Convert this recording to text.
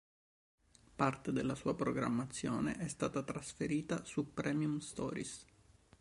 Parte della sua programmazione è stata trasferita su Premium Stories.